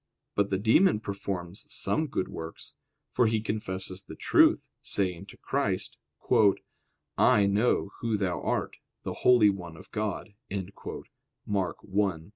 But the demon performs some good works: for he confesses the truth, saying to Christ: "I know Who Thou art, the holy one of God" (Mark 1:24).